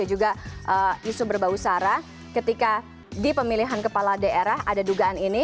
juga isu berbau sara ketika di pemilihan kepala daerah ada dugaan ini